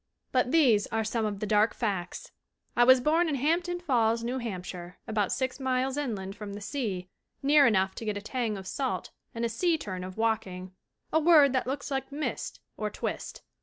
But these are some of the dark facts. I was born in Hampton Falls, New Hampshire, about six miles inland from the sea, near enough to get a tang of salt and a 'sea turn' of walking [a word that looks like 'mist' or 'twist'.